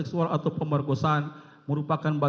kita harus membuatnya